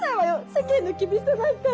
世間の厳しさなんか。